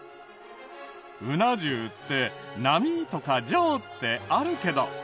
うな重って並とか上ってあるけど。